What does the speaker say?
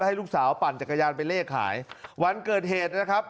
ให้ลูกสาวปั่นจักรยานไปเลขขายวันเกิดเหตุนะครับ